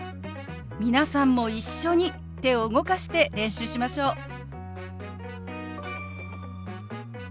皆さんも一緒に手を動かして練習しましょう。